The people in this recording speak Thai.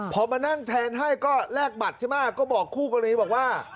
พอมานั่งแทนให้ก็แลกบัตรใช่ไหมก็บอกคู่กรณีบอกว่า